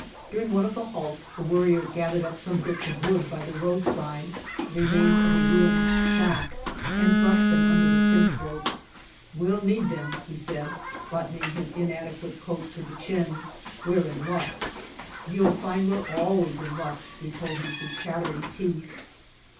During one of the halts the Worrier gathered up some bits of wood by the roadside, the remains of a ruined shack, and thrust them under the cinch ropes. "We'll need them," he said, buttoning his inadequate coat to the chin. "We're in luck." "You'll find we're always in luck," we told him through chattering teeth.